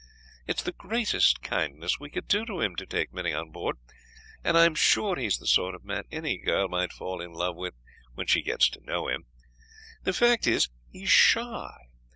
It's the greatest kindness we could do him, to take Minnie on board; and I am sure he is the sort of man any girl might fall in love with when she gets to know him. The fact is, he's shy!